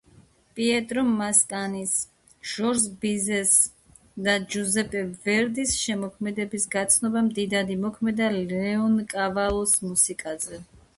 პიეტრო მასკანის, ჟორჟ ბიზეს და ჯუზეპე ვერდის შემოქმედების გაცნობამ დიდად იმოქმედა ლეონკავალოს მუსიკაზე.